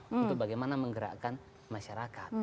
untuk bagaimana menggerakkan masyarakat